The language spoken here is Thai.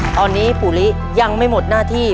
ตอนนี้ปู่ลิยังไม่หมดหน้าที่